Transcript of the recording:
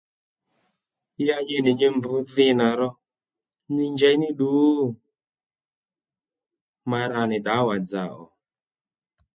Ya nyi nì nyi mb dhi nà ro nyi njey ní ddu? ma ra nì ddǎwà-dzà ò